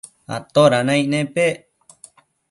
atoda naic nepec